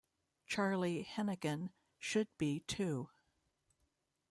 Charlie Hennigan should be, too.